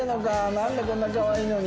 なんでこんなかわいいのに。